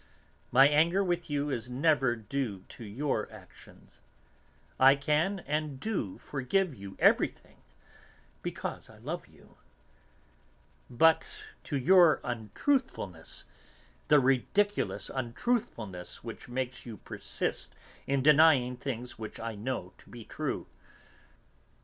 My anger with you is never due to your actions I can and do forgive you everything because I love you but to your untruthfulness, the ridiculous untruthfulness which makes you persist in denying things which I know to be true.